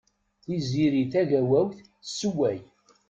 Tiziri Tagawawt tesewway.